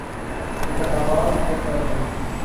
انتخابات سر پہ ہیں۔